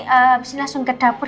habis langsung ke dapur